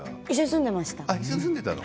一緒に住んでました。